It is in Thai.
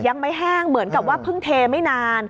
ยังไม่แห้งเหมือนกับว่าเพิ่งเทไม่นาน